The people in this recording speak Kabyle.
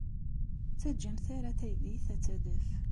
Ur ttaǧǧamt ara taydit ad d-tadef.